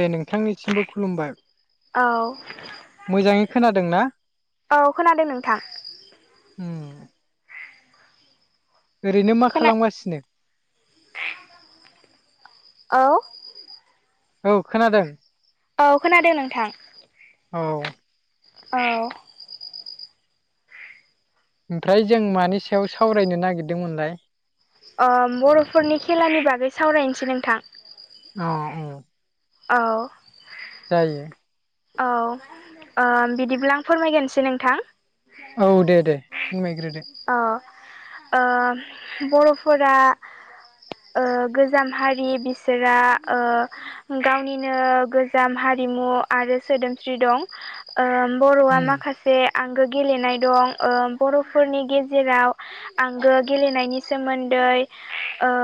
दे नोंथांनिसिमबो खुलुमबाय औ मोजाङै खोनादों ना औ खोनादों नोंथां। उम। ओरैनो मा खोना खालामगासिनो औ औ खोनादों औ खोनादों नोंथां औ औ ओमफ्राय जों मानि सायाव सावरायनो नागिरदोंमोनलाय। बर'फोरनि खेलानि बागै सावरायनोसै नोंथां। अ औ औ जायो औ ओ बिदिब्ला आं फोरमायगोनसै नोंथां। औ दे दे फोरमायग्रो दो अ बर'फोरा ओ गोजाम हारि बिसोरा ओ गावनिनो गोजाम हारिमु आरो सोदोमस्रि दं ओ बर'आ उम माखासे आंगो गेलेनाय दं ओ बर'फोरनि गेजेराव आंगो गेलेनायनि सोमोन्दै ओ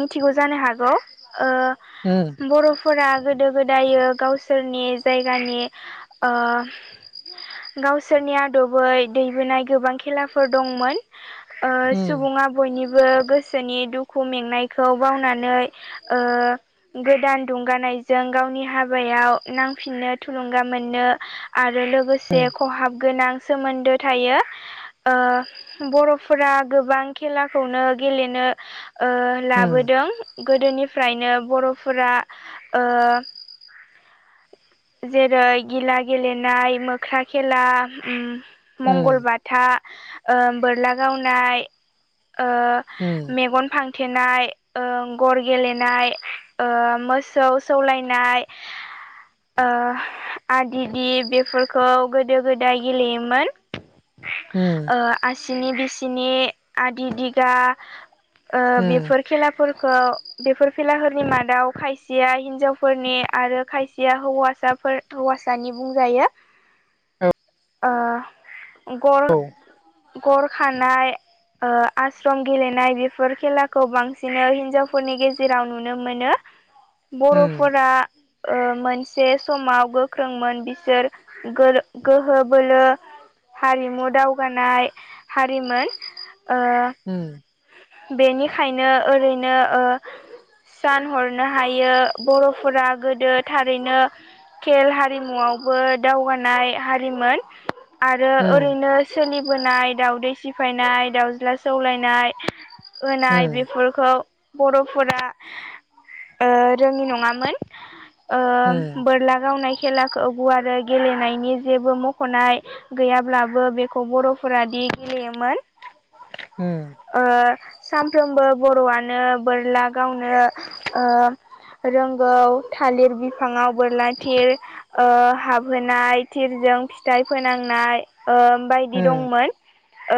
मिथिगौ जानो हागौ ओ ओ। बर'फोरा गोदो गोदाय गावसोरनि जायगानि ओ गावसोरनि आदबै दैबोनाय गोबां खेलाफोर दंमोन ओ उम सुबुङा बयनिबो गोसोनि दुखु मेंनायखौ बावनानै ओ गोदान दुंगानायजों गावनि हाबायाव नांफिननो थुलुंगा मोननो आरो लोगोसे खहाब गोनां सोमोन्दो थायो ओ बर'फोरा गोबां खेलाखौनो गेलेनो ओ उम लाबोदों गोदोनिफ्रायनो बर'फोरा ओ जेरै गिला गेलेनाय मोख्रा खेला उम मंगलबार फा बोरला गावनाय मेगन फां थेनाय गर गेलेनाय ओ मोसौ सौलायनाय ओ आदि दि बेफोरखौ गोदो गोदाय गेलेयोमोन उम आसिनि बिसिनि आदि दिगा ओ उम बेफोर खेलाफोरखौ बेफोर खेलाफोरनि मादाव खायसेया हिन्जावफोरनि आरो खायसेया हौवासाफोर हौवासानि बुंजायो ओ गर औ गर खानाय आसश्रम गेलेनाय बेफोर खेलाखौ बांसिन हिन्जावफोरनि गेजेराव नुनो मोनो उम बर'फोरा मोनसे से समाव गोख्रोंमोन बिसोर गोहो बोलो हारिमु दावगानाय हारिमोन ओ बेनिखायनो ओरैनो ओ सान हरनो हायो बर'फोरा गोदो थारैनो खेल हारिमुआवबो दावगानाय हारिमोन आरो उम ओरैनो सोलिबोनाय दाउदै सिफायनाय दाउज्ला सौलायनाय होनाय बेफोरखौ बर'फोरा ओ रोङि नङामोन उम ओ बोर्ला गावनाय खेलाखौ गुवारो गेलेनायनि जेबो मख'नाय गैयाब्लाबो बेखौ बर'फोरा दि गेलेयोमोन उम ओ सानफ्रोमबो बर'आनो बोरला गावनो ओ रोंगौ थालिर बिफाङाव बोरला थिर ओ हाबहोनाय थिरजों फिथाइ फोनांनाय ओ बायदि दंमोन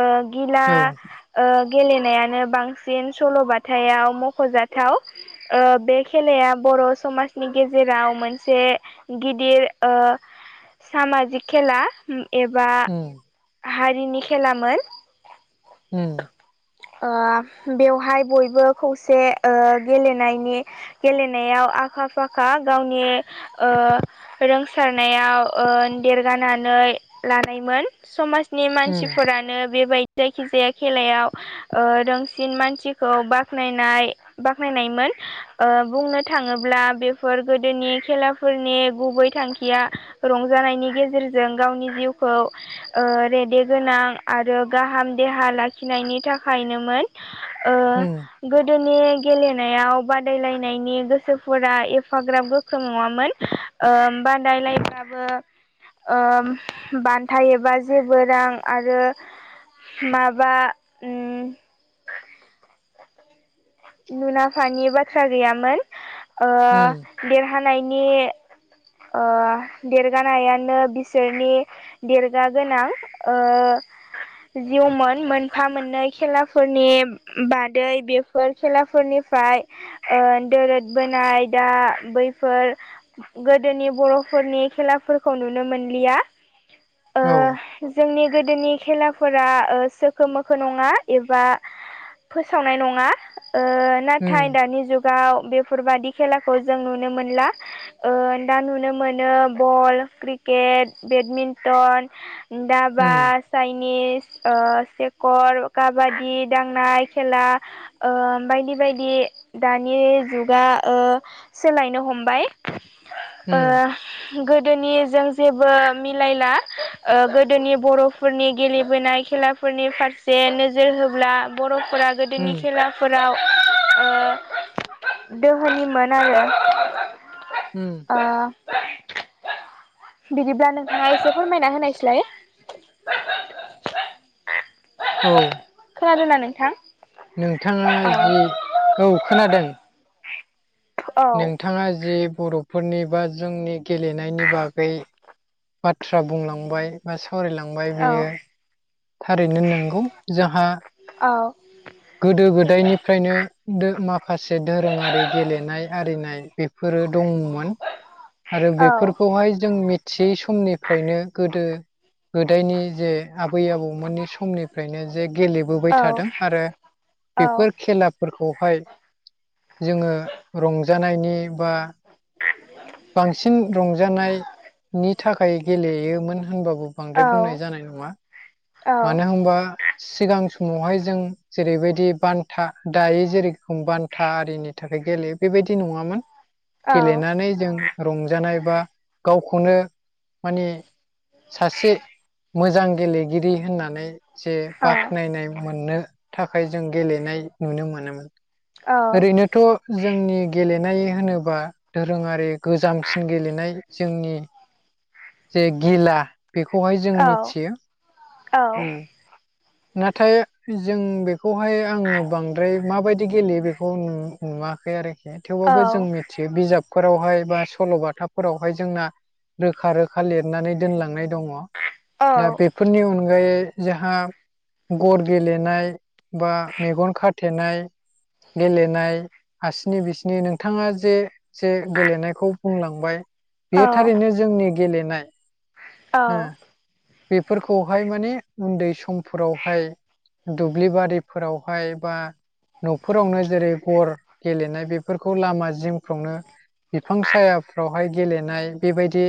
ओ गिला ओ गेलेनायानो बांसिन सल'बाथायाव मख'जाथाव ओ बे खेलाया बर' समाजनि गेजेराव मोन से गिदिर सामाजिक खेला एबा हारिनि खेलामोन ओ बेवहाय बयबो खौसे ओ गेलेनायनि गेलेनायाव आखा फाखा गावनि ओ रोंसारनायाव ओ देरगानानै लानायमोन समाज नि मानसिफोरानो बेबायदि जायखिजाया खेलायाव ओ रोंसिन मानसिखौ बाखनायनाय बाख्नायनायमोन ओ बुंनो थाङोब्ला बेफोर गोदोनि खेलाफोरनि गुबै थांखिया रंजानायनि गेजेरजों गावनि जिउखौ ओ रेदे गोनां आरो गाहाम देहा लाखिनायनि थाखायनोमोन। ओ उम गोदोनि गेलेनायाव बादायलायनायनि गोसोफोरा एफाग्राब गो खों नङामोन ओ बादायलायबाबो ओ बान्थायबा जेबो रां आरो माबा उम नुनाफानि बाथ्रा गैयामोन ओ देरहानायनि ओ देरगानायानो बिसोरनि देरगा गोनां ओ जिउमोन मोनफा मोननै खेलाफोरनि बादै बेफोर खेलाफोरनिफ्राय ओ दोरद बोनाय दा बैफोर गो दोनि बर'फोरनि खेलाफोरखौ नुनो मोनलिया औ ओ जोंनि गोदोनि खेलाफोरा ओ सोखो मोखो नङा एबा फोसावनाय नङा ओ नाथाय उम दानि जुगाव बेफोरबादि खेलाखौ जों नुनो मोनला ओ दा नुनो मोनो बल, क्रिकेट, बेडमिन्टन उम दाबास चाइनिस ओ सेकर काबादि दांनाय खेला ओ बायदि बायदि दानि जुगा ओ सोलायनो हमबाय उम गोदोनि जों जेबो मिलायला ओ गोदोनि बर' फोरनि गेलेबोनाय खेलाफोरनि फारसे नोजोर होब्ला बर'फोरा उम औ उम गोदोनि खेलाफोराव ओ दोहोनिमोन आरो उम आ बिदिब्ला नोंथाङा एसे फोरमायना होनायस्लाय। [unintelligible] औ खोनादोंना नोंथां? नोंथाङा औ जि औ खोनादों औ नोंथाङा जे बर फोरनि बा जोंनि गेलेनायनि बागै बाथ्रा बुंलांबाय बा सावरायलांबाय बियो थारैनो नंगौ जाहा औ गोदो गोदायनिफ्रायनो माखासे दोरोङारि गेलेनाय आरिनाय बेफोरो दङमोन [unintelligible] आरो औ बेफोरखौहाय जों मि थियै समनिफ्रायनो गोदो गोदायनि जे आबै आबौमोननि समनि फ्रायनो जे गेलेबोबाय औ थादों आरो औ बेफोर खेलाफोरखौहाय जोङो रंजानायनि बा बांसिन रंजानायनि थाखाय गेलेयोमोन होनबाबो बांद्राय बुंनाय जानाय नङा औ मानो होनबा सिगां समावहाय जों जेरैबायदि बान्था दायो जेरैखम बान्था था आरिनि थाखाय गेलेयो बेबायदि नङामोन गेलेनानै जों रंजानाय बा गावखौनो माने सासे मोजां गेलेगिरि होननानै जे बाख्नायनाय मोननो थाखाय जों गेलेनाय नुनो मोनोमोन ओरैनो थ' जोंनि गेलेनाय होनोबा दोरोङारि गोजामसिन गेलेनाय जोंनि जे गिला बेखौहाय जों औ मिथियो ओम नाथाय जों बेखौहाय आङो बांद्राय माबायदि गेलेयो बेखौ न नुवाखै आरोखि थेवबाबो जों मिथियो बिजाबफोरावहाय बा सल'बाथाफोरावहाय जोंना रोखा रोखा थाखा लिरनानै दोनलांनाय दङ दा औ बेफोरनि अनगायै जोंहा गर गेलेनाय बा मेगन खाथेनाय गेलेनाय हासनि बिसनि नोंथाङा जे जे गेलेनायखौ बुंलांबाय बे औ थारैनो जोंनि गेलेनाय ओ औ बेफोरखौहाय माने उन्दै समफोरावहाय दुब्लि बारिफोराव हाय बा न'फोरावनो जेरै गर गेलेनाय बेफोरखौ लामा जिंफ्रावनो बिफां सायाफ्राव हाय गेलेनाय बेबायदि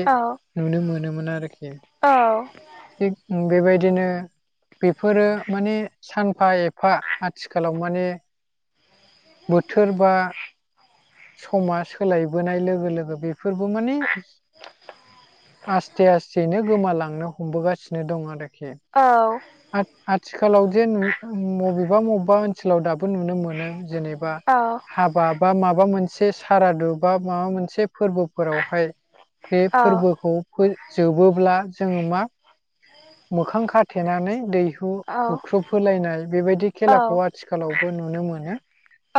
नुनो मोनोमोन आरो औ थिग बेबायदिनो बेफोरो माने सानफा एफा आथिखालाव माने बोथोर बा समा सोलायबोनाय लोगो लोगो बेफोरबो माने आस्थे आस्थेनो गोमालांनो हमबोगासिनो दं आरोखि औ आ आथिखालाव जे नु मबेबा मबेबा ओनसोलाव दाबो नुनो मोनो जेने बा हाबा बा माबा माबा मोनसे सारादु बा माबा मोनसे फोरबोफोरावहाय बे फोरबोखौ फो जोबोब्ला जोङो मा मोखां खाथेनानै दै बु बुख्रुब होलायनाय बेबायदि खेलाखौ आथिखालावबो नुनो मोनो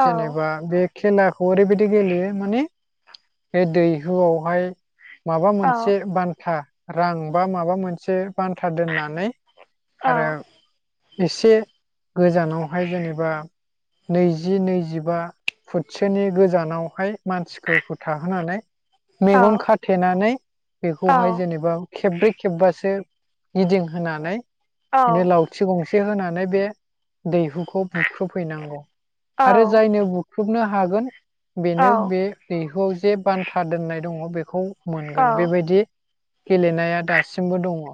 जेनेबा बे खेलाखौ ओरैबायदि गेलेयो माने बे दैहु आवहाय माबा मोनसे बान्था रां बा माबा मोनसे बान्था दोननानै आरो एसे गोजानावहाय जेनेबा नैजि नैजिबा बिसोरनि गोजानाव हाय मानसिफोरखौ थाहोनानै मेगन खाथेनानै बेखौहाय जेनेबा खेब्रै खेबबासो गिदिंहानै बिनो लावथि गंसे होनानै बे दैहुखौ बुख्रुब हैनांगौ आरो जायनो बुख्रुबनो हागोन बेनो बे दैहुआव जे बान्था दोननाय दङ' बेखौ मोनगोन बेबायदि गेलेनाया दासिमबो दङ'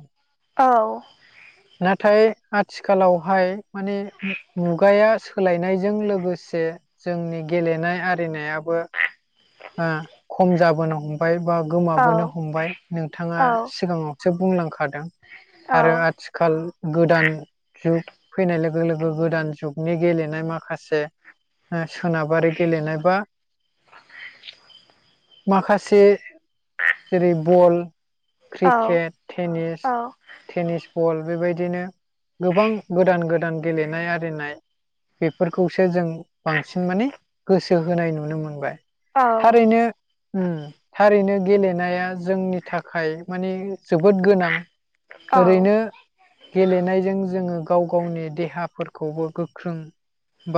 औ नाथाय आथिखालावहाय माने मुगाया सोलायनायजों लोगोसे जोंनि गेलेनाय आरिनायाबो बा खम जाबोनो हमबाय बा गोमाबोनो हमबाय नोंथाङा सिगाङावसो बुंलांखादों आरो आथिखाल गोदान जुग फैनाय लोगो लोगो गोदान जुगनि गेलेनाय माखासे ओ सोनाबारि गेलेनाय बा माखासे जेरै ball cricket tennis tennis ball बेबायदिनो गोबां गोदान गोदान गेलेनाय आरिनाय बेफोरखौसो जों बांसिन माने गोसो होनाय नुनो मोनबाय थारैनो उम थारैनो गेलेनाया जोंनि थाखाय मानि जोबोद गोनां ओरैनो गेलेनायजों जोङो गाव गावनि देहाफोरखौबो गोख्रों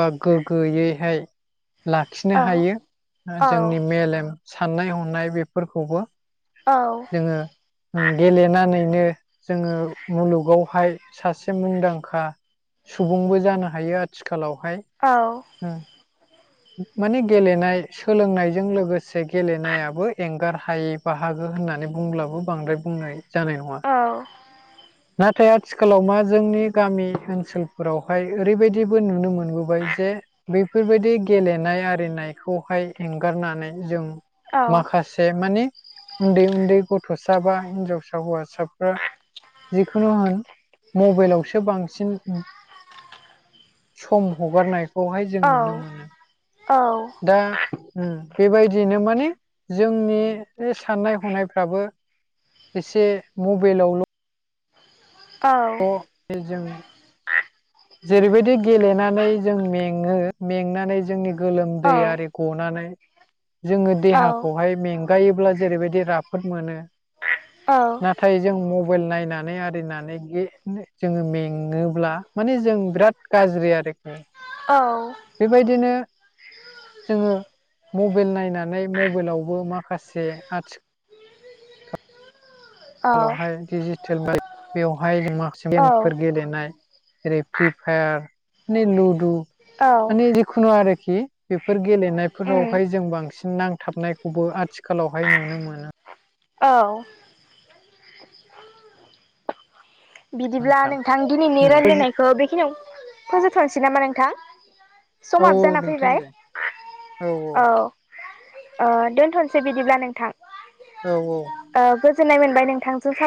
बा गोग्गोयैहाय लाखिनो हायो जोंनि मेलेम साननाय हनाय बेफोरखौबो औ जोङो उम गेलेनानैनो जोङो मुलुगावहाय सासे मुंदांखा सुबुंबो जानो हायो आथिखालावहाय औ उम माने गेलेनाय सोलोंनायजों लोगोसे गेलेनायाबो एंगार हायि बाहागो होननानै बुंब्लाबो बांद्राय बुंनाय जानाय नङा। औ नाथाय आथिखालाव मा जोंनि गामि ओनसोलफोरावहाय ओरैबायदिबो नुनो मोनबोबाय जे बेफोरबायदि गेलेनाय आरिनायखौहाय एंगारनानै जों माखासे माने उन्दै उन्दै गथ'सा बा हिनजावसा हौवासाफ्रा जिखुनु होन मबाइलावसो बांसिन सम हगारनायखौहाय जों नुनो मोनो। औ दा बेबायदिनो माने जोंनि साननाय हनायफ्राबो एसे मबाइलावल' [unintelligible] जेरैबायदि गेलेनानै जों मेङो मेंनानै जोंनि गोलोमदै आरि गनानै जोङो देहाखौहाय मेंगायोब्ला जेरैबायदि राफोद मोनो नाथाय जों मबाइल नायनानै आरिनानै जोङो मेङोब्ला माने जों बिराद गाज्रि आरोखि औ बेबायदिनो जोङो मबाइल नायनानै मबाइलावबो माखासे आथि खालावहाय डिजिटेल बा बेवहाय जों माखासे गेमफोर गेलेनाय जेरै फ्रि फायार माने लुडु माने जिखुनु आरोखि बेफोर गेलेनायफोरावहाय जों बांसिन नांथाबनायखौबो आथिखालावहाय नुनो मोनो। औ बिदिब्ला नोंथां दिनैनि रायज्लायनायखौ बेखिनियाव फोजोबथ'नोसै नामा नोंथां औ समाबो जाना नोंथां फैबाय दे औ दोनथ'नोसै बिदिब्ला नोंथां। औ औ ओ गोजोन्नाय मोनबाय नोंथांजों सा